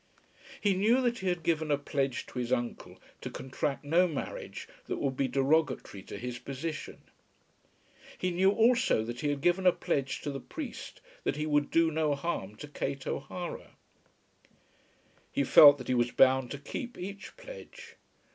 He knew that he had given a pledge to his uncle to contract no marriage that would be derogatory to his position. He knew also that he had given a pledge to the priest that he would do no harm to Kate O'Hara. He felt that he was bound to keep each pledge.